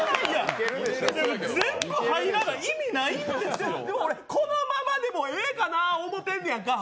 全部入らな意味ないんですよでもこのままでええかなって思うねんか。